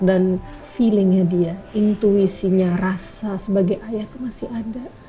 dan feeling nya dia intuisinya rasa sebagai ayah tuh masih ada